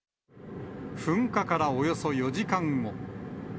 噴火からおよそ４時間後。